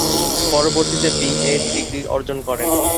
পরবর্তীতে BEd degree অর্জন করেন।